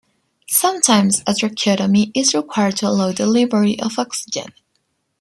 Sometimes a tracheotomy is required to allow delivery of oxygen.